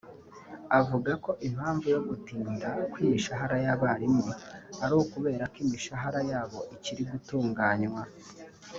avuga ko impamvu yo gutinda kw’imishahara y’abarimu ari ukubera ko imishahara yabo ikiri gutunganywa